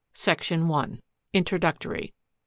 Section I. INTRODUCTORY. 1.